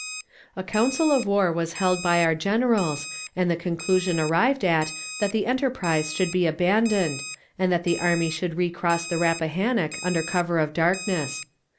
A council of war was held by our generals, and the conclusion arrived at that the enterprise should be abandoned, and that the army should recross the Rappahannock under cover of darkness.